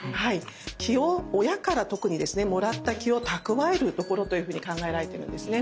気を親から特にもらった気を蓄えるところというふうに考えられているんですね。